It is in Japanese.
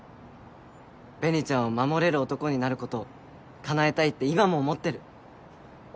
紅ちゃんを守れる男になることをかなえたいって今も思ってる。